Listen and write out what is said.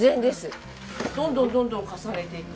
どんどんどんどん重ねていく。